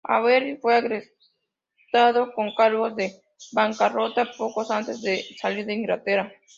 A. Verity, fue arrestado con cargos de bancarrota poco antes de salir de Inglaterra.